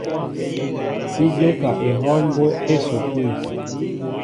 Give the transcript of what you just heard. Si jóka ehɔw mbóʼ á esukul.